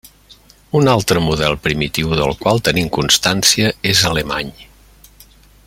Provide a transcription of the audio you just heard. Un altre model primitiu del qual tenim constància és alemany.